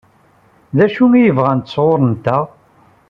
D acu i bɣant sɣur-nteɣ?